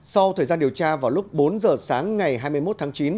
sau thời gian điều tra vào lúc bốn giờ sáng ngày hai mươi một tháng chín